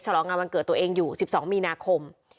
ลองงานวันเกิดตัวเองอยู่๑๒มีนาคม